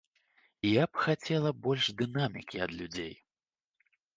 Я б хацела больш дынамікі ад людзей.